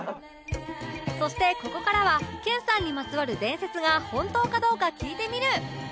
そしてここからは研さんにまつわる伝説が本当かどうか聞いてみる！